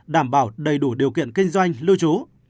đảm bảo đầy đủ điều kiện kinh doanh lưu trú